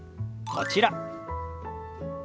こちら。